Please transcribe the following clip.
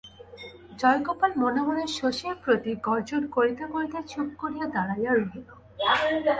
জয়গোপাল মনে মনে শশীর প্রতি গর্জন করিতে করিতে চুপ করিয়া দাঁড়াইয়া রহিল।